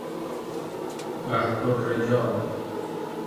قحط الرجال